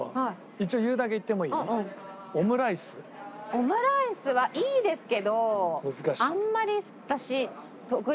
オムライスはいいですけどあんまり私。